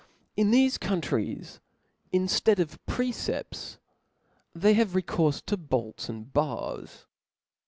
In thefe countries,, in ilead of precepts, ;they \iVf% recoprfe to l^olts at)d . bars.